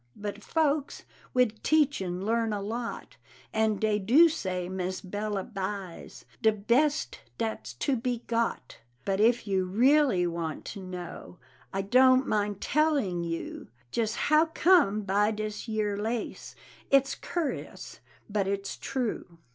But folks Wid teaching learn a lot, And dey do say Miss Bella buys De best dat's to be got. But if you really want to know, I don't mind telling you Jus' how I come by dis yere lace It's cur'us, but it's true.